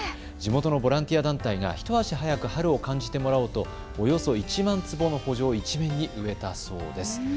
地元のボランティア団体が一足早く春を感じてもらおうとおよそ１万坪のほ場一面に植えたそうです。